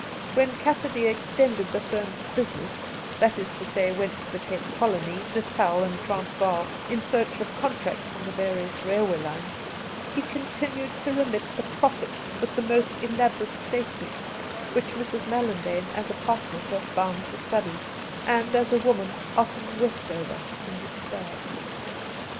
When Cassidy extended the firm's ' business '— that is to say, went to the Cape Colony, Natal, and Transvaal, in search of contracts on the various railway lines — he continued to remit the ' profits ' with the most elaborate statements, which Mrs. Mallandane, as a partner, felt bound to study, and, as a woman,' often wept over in despair.